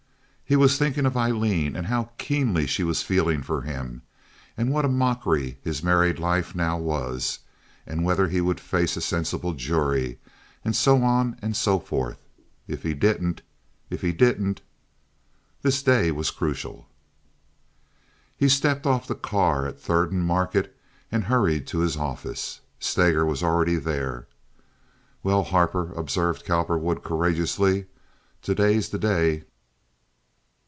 He was thinking of Aileen and how keenly she was feeling for him, and what a mockery his married life now was, and whether he would face a sensible jury, and so on and so forth. If he didn't—if he didn't—this day was crucial! He stepped off the car at Third and Market and hurried to his office. Steger was already there. "Well, Harper," observed Cowperwood, courageously, "today's the day."